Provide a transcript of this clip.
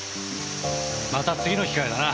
また次の機会だな。